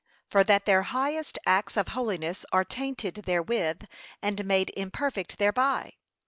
For that their highest acts of holiness are tainted therewith, and made imperfect thereby.